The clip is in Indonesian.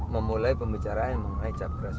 memulai pembicaraan mengenai capres